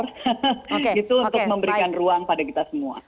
itu untuk memberikan ruang pada kita semua